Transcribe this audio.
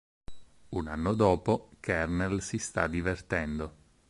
Un anno dopo, Kernel si sta divertendo.